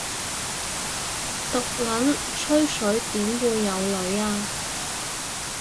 毒撚吹水點會有女吖